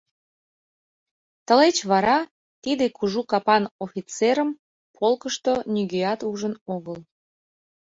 Тылеч вара тиде кужу капан офицерым полкышто нигӧат ужын огыл.